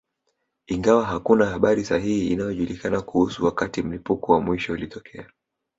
Ingawa hakuna habari sahihi inayojulikana kuhusu wakati mlipuko wa mwisho ulitokea